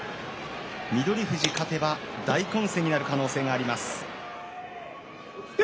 翠富士勝てば、大混戦になる可能性があります。